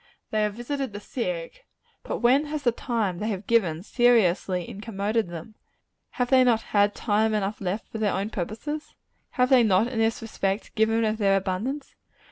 They have visited the sick: but when has the time they have given, seriously incommoded them? Have they not had time enough left for their own purposes? Have they not, in this respect, given of their abundance?